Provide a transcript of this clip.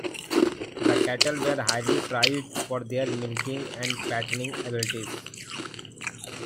The cattle were highly prized for their milking and fattening abilities.